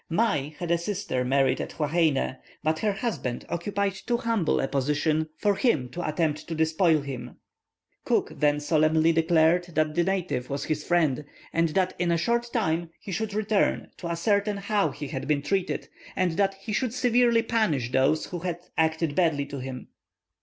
Mai had a sister married at Huaheine, but her husband occupied too humble a position for him to attempt to despoil him. Cook then solemnly declared that the native was his friend, and that in a short time he should return to ascertain how he had been treated, and that he should severely punish those who had acted badly to him.